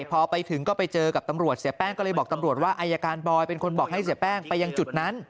พอไปถึงก็ไปเจอกับตำรวจเสียแป้งก็เลยบอกตำรวจว่าอายการบอยเป็นคนบอกให้เสียแป้งไปยังจุดนั้น